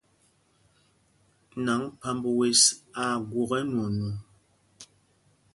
Naŋg phamb wes aa gwok ɛnwɔɔnɔŋ.